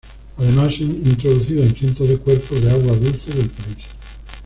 Además, se han introducido en cientos de cuerpos de agua dulce del país.